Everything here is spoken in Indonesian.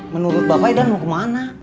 menurut bapak idan mau kemana